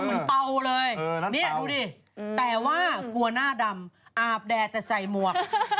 นี่ละดูดิแต่ว่ากลัวหน้าดำอาบแดตแต่ใส่มวก